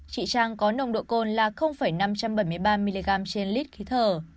chị trang có nồng độ cồn là năm trăm bảy mươi ba mg trên lít khí thở